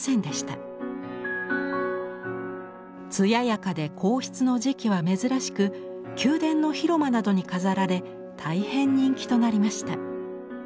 艶やかで硬質の磁器は珍しく宮殿の広間などに飾られ大変人気となりました。